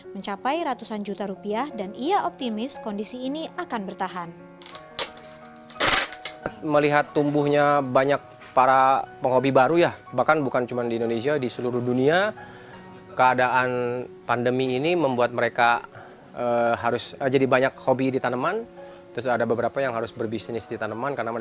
mencapai ratusan juta rupiah dan ia optimis kondisi ini akan bertahan